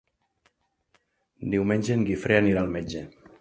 Diumenge en Guifré anirà al metge.